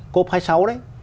cốp hai mươi sáu đấy